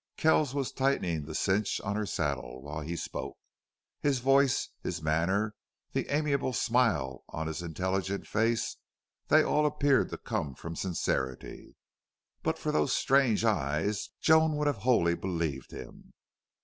Kells was tightening the cinch on her saddle while he spoke. His voice, his manner, the amiable smile on his intelligent face, they all appeared to come from sincerity. But for those strange eyes Joan would have wholly believed him.